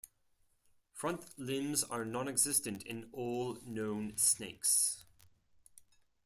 Front limbs are nonexistent in all known snakes.